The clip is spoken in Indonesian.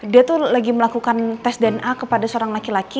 dibanding dengan ini